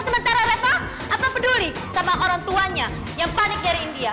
sementara reva apa peduli sama orang tuanya yang panik nyariin dia